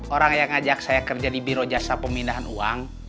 orang yang ngajak saya kerja di biro jasa pemindahan uang